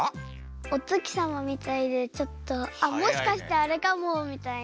おつきさまみたいでちょっと「あっもしかしてあれかも！」みたいな。